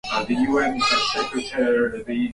kakar katika kitabu chake anawanukuu chalk na jonassohn